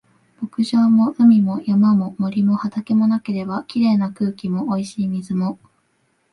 牧場も海も山も森も畑もなければ、綺麗な空気も美味しい水も